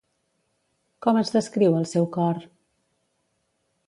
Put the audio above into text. Com es descriu el seu cor?